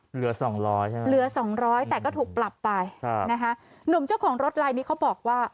เหลือ๒๐๐บาทแต่ก็ถูกปรับไปนะคะหนุ่มเจ้าของรถไลน์นี้เขาบอกว่า